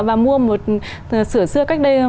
và mua một sửa xưa cách đây